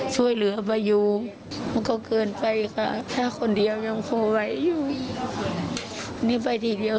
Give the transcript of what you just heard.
ช่วยเหลือไว้อยู่ก็เกินไปค่ะ